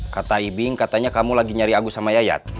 kata ibing katanya kamu lagi nyari agus sama yayat